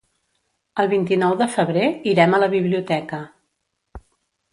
El vint-i-nou de febrer irem a la biblioteca.